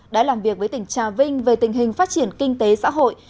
đã làm việc với tỉnh trà vinh về tình hình phát triển kinh tế xã hội